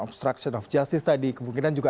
obstruction of justice tadi kemungkinan juga